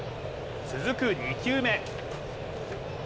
続く２球目。